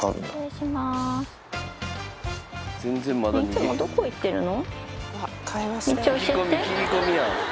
いつもどこ行ってるの？